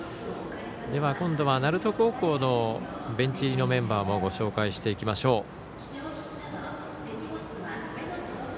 今度は鳴門高校のベンチ入りのメンバーもご紹介していきましょう。